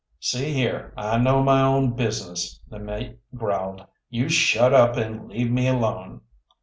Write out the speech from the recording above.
"See here, I know my own business," the mate growled. "You shut up and leave me alone."